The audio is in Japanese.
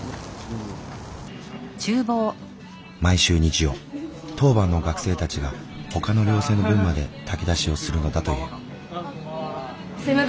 毎週日曜当番の学生たちがほかの寮生の分まで炊き出しをするのだという。